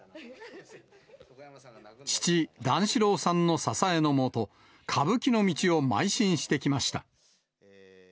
父、段四郎さんの支えの下、歌舞伎の道をまい進してきました。